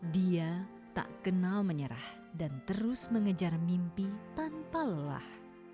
dia tak kenal menyerah dan terus mengejar mimpi tanpa lelah